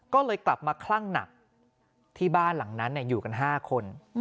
ก็เลยกลับมาคลั่งหนักที่บ้านหลังนั้นอยู่กัน๕คน